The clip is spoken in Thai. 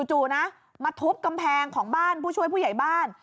จู่นะมาทุบกำแพงของบ้านผู้ช่วยผู้ใหญ่บ้าน